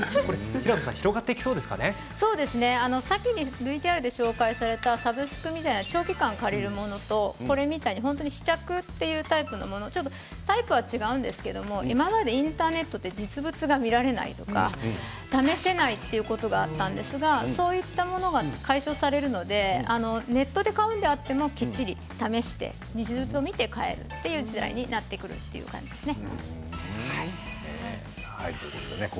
さっきＶＴＲで紹介されたサブスクみたいな長期間借りるものとこれみたいに試着みたいなタイプのものとタイプは違うんですけれども、今までインターネットで実物が見られないとか試さないということがあったんですがそういったことが解消されるのでネットで買うのであってもきっちり試して実物を見て買えるっていう時代になってくるっていうことですね。